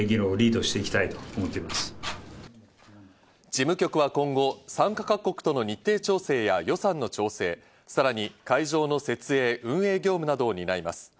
事務局は今後、参加各国との日程調整や予算の調整、さらに会場の設営、運営業務などを担います。